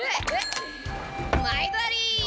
毎度あり！